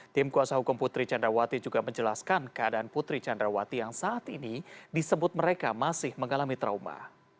tim kuasa hukum putri candrawati juga menjelaskan keadaan putri candrawati yang saat ini disebut mereka masih mengalami trauma